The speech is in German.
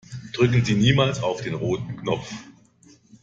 Drücken Sie niemals auf den roten Knopf!